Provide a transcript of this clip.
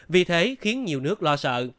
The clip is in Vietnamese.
vì thế khiến nhiều nước lo sợ